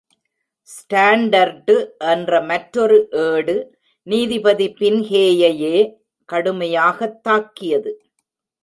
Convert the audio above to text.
Standard என்ற மற்றொரு ஏடு, நீதிபதி பின்ஹேயையே கடுமையாகத் தாக்கியது.